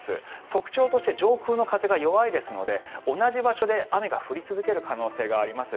特徴として上空の風が弱いですので同じ場所で雨が降り続ける可能性があります。